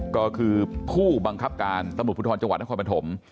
ก็คือผู้บังคับการตะบุธรณภาคจังหวัดนครพรรภม